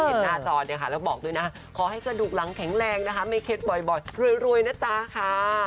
หน้าจอเนี่ยค่ะแล้วบอกด้วยนะขอให้กระดูกหลังแข็งแรงนะคะไม่เคล็ดบ่อยรวยนะจ๊ะค่ะ